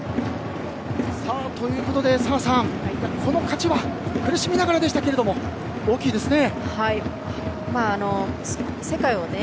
澤さん、この勝ちは苦しみながらでしたけど大きいですね。